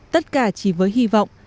tất cả chỉ với hy vọng